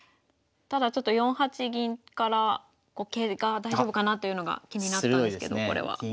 ただちょっと４八銀から桂が大丈夫かなというのが気になったんですけどこれは。